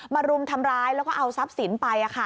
รุมทำร้ายแล้วก็เอาทรัพย์สินไป